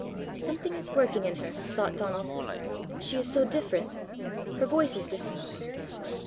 "Something is working in her!" thought Donal. "She is so different! Her voice is different!"